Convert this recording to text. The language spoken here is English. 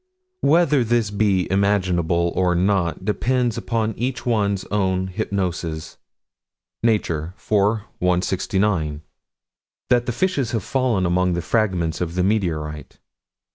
Whether this be imaginable or not depends upon each one's own hypnoses. Nature, 4 169: That the fishes had fallen among the fragments of the meteorite.